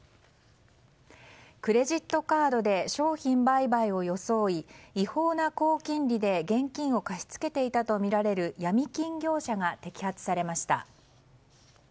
クレジットカードで商品売買を装い違法な高金利で現金を貸し付けていたとみられるヤミ金業者が摘発されました。